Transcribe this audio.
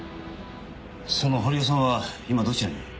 その堀尾さんは今どちらに？